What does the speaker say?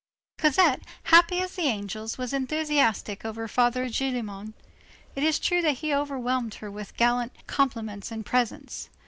Cosette, happy as the angels, was enthusiastic over Father Gillenormand. It is true that he overwhelmed her with gallant compliments and presents.